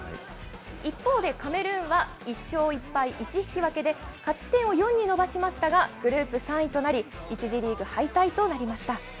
一方でカメルーンは１勝１敗１引き分けで、勝ち点を４に伸ばしましたが、グループ３位となり、１次リーグ敗退となりました。